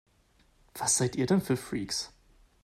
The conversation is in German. Was seid ihr denn für Freaks?